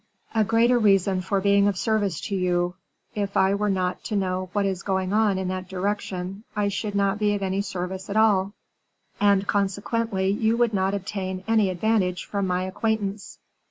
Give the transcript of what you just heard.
"A greater reason for being of service to you; if I were not to know what is going on in that direction I should not be of any service at all, and consequently you would not obtain any advantage from my acquaintance.